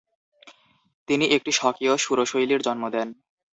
তিনি একটি স্বকীয় সুরশৈলীর জন্ম দেন।